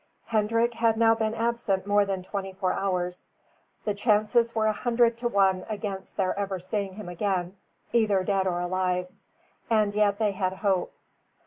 Hendrik had now been absent more than twenty four hours. The chances were a hundred to one against their ever seeing him again, either dead or alive; and yet they had hope.